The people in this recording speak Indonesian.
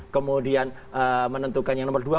kemudian menentukan yang nomor dua